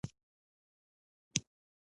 ویرات کهولي د ټېسټ بازي یو لوی کپتان دئ.